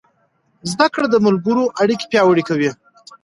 زده کړه د ملګرو اړیکې پیاوړې کوي.